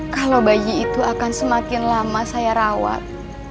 kalau bayi itu akan semakin lama saya rawat